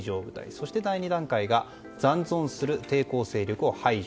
そして第２段階が残存する抵抗勢力を排除。